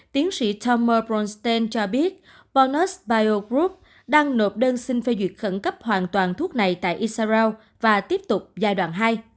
tiến sĩ tomer bronsted cho biết bonus bio group đang nộp đơn xin phê duyệt khẩn cấp hoàn toàn thuốc này tại israel và tiếp tục giai đoạn hai